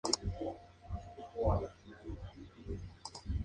Esta Provincia tendría como sede el Convento de Santa María del Rosario de Lima.